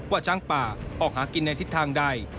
ช้างป่าออกหากินในทิศทางใด